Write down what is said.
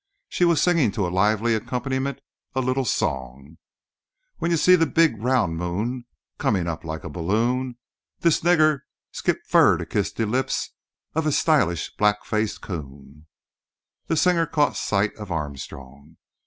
She was singing to a lively accompaniment a little song: "When you see de big round moon Comin' up like a balloon, Dis nigger skips fur to kiss de lips Ob his stylish, black faced coon." The singer caught sight of Armstrong.